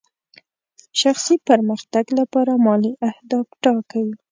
شخصي پرمختګ لپاره مالي اهداف ټاکئ.